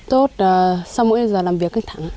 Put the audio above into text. tốt sau mỗi giờ làm việc kinh thẳng